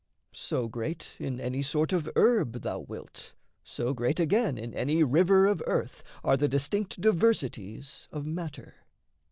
So great in any sort of herb thou wilt, So great again in any river of earth Are the distinct diversities of matter.